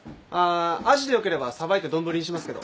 アジでよければさばいて丼にしますけど。